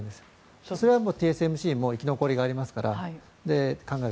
それはＴＳＭＣも生き残りがありますから考える。